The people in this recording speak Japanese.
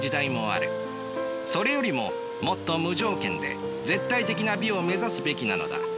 それよりももっと無条件で絶対的な美を目指すべきなのだ。